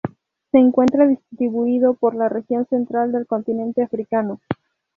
Se encuentra distribuido por la región central del continente africano.